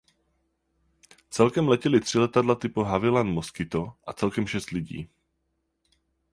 Celkem letěli tři letadla typu de Havilland Mosquito a celkem šest lidí.